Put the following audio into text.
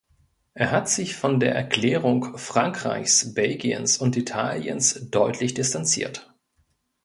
Er hat sich von der Erklärung Frankreichs, Belgiens und Italiens deutlich distanziert.